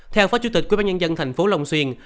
theo phó chủ tịch quyên bán nhân dân thành phố long xuyên